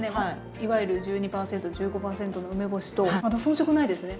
いわゆる１２％１５％の梅干しとまた遜色ないですね。